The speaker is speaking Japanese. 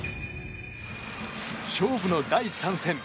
勝負の第３戦。